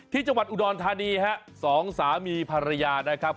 ที่จังหวัดอุดรธานีฮะสองสามีภรรยานะครับ